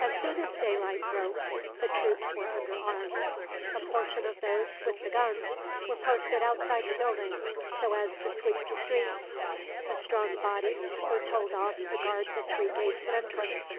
As soon as daylight broke, the troops were under arms. A portion of those, with the guns, were posted outside the building, so as to sweep the streets. A strong body were told off to guard the three gates of entrance.